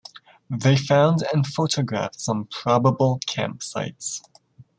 They found and photographed some probable camp sites.